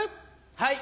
はい！